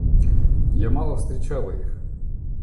Я мало встречала их.